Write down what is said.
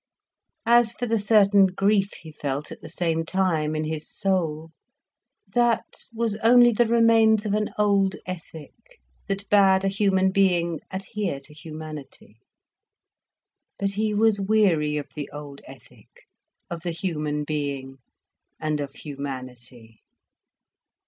As for the certain grief he felt at the same time, in his soul, that was only the remains of an old ethic, that bade a human being adhere to humanity. But he was weary of the old ethic, of the human being, and of humanity.